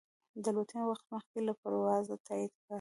د الوتنې وخت مخکې له پروازه تایید کړه.